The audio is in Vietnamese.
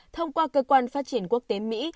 thông qua cơ quan phát triển quốc tế mỹ